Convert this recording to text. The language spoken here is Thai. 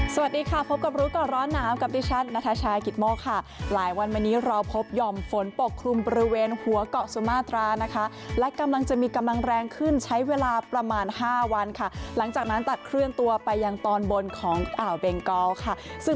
สวัสดีค่ะพบกับรู้ก่อนร้อนหนาวกับดิฉันนัทชายกิตโมกค่ะหลายวันวันนี้เราพบห่อมฝนปกคลุมบริเวณหัวเกาะสุมาตรานะคะและกำลังจะมีกำลังแรงขึ้นใช้เวลาประมาณห้าวันค่ะหลังจากนั้นตัดเคลื่อนตัวไปยังตอนบนของอ่าวเบงกอลค่ะซึ่ง